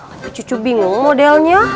tapi cucu bingung modelnya